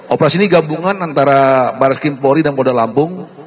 operasi ini gabungan antara barat ski mabaswari dan kota lampung